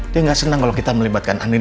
dia nggak senang kalau kita melibatkan anies